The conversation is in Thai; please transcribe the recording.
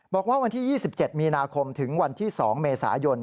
บอกว่าวันที่๒๗มีนาคมถึงวันที่๒เมษายน